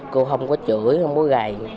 cô không có chửi không có gầy